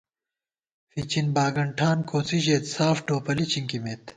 فِچِن باگنٹھان کوڅی ژېت ساف ٹوپَلی چِنکِمېت